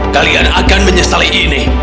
kalian akan menyesali ini